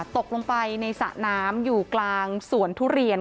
ตกลงไปในสระน้ำอยู่กลางสวนทุเรียน